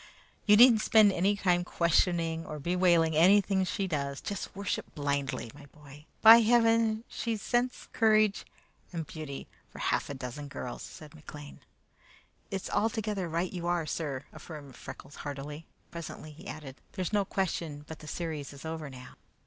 You needn't spend any time questioning or bewailing anything she does. Just worship blindly, my boy. By heaven! she's sense, courage, and beauty for half a dozen girls," said McLean. "It's altogether right you are, sir," affirmed Freckles heartily. Presently he added, "There's no question but the series is over now."